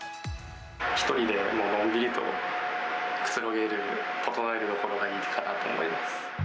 １人でのんびりと、くつろげる、整えられるところがいいかなと思います。